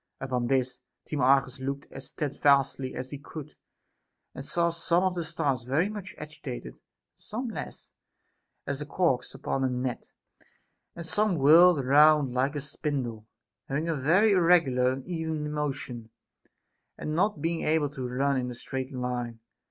Upon this, Timarchus looked as steadfastly as he could, and saw some of the stars very much agitated, and some less, as the corks upon a net ; and some whirled round like a spindle, having a very irreg ular and uneven motion, and not being able to run in a straight line.